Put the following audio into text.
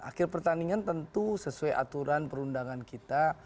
akhir pertandingan tentu sesuai aturan perundangan kita